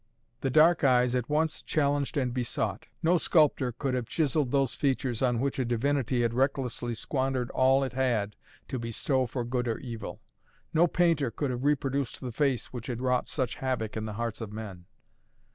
The dark eyes at once challenged and besought. No sculptor could have chiselled those features on which a divinity had recklessly squandered all it had to bestow for good or for evil. No painter could have reproduced the face which had wrought such havoc in the hearts of men.